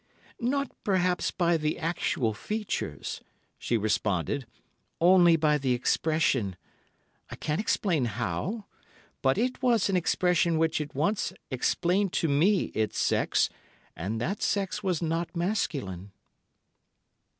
"Not, perhaps, by the actual features," she responded, "only by the expression. I can't explain how, but it was an expression which at once explained to me its sex, and that sex was not masculine."